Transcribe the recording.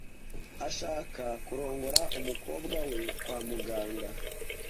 Ashaka kurongora umukobwa we kwa muganga.